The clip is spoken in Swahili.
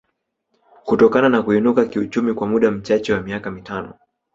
kutokana na kuinuka kiuchumi kwa muda mchache wa miaka mitano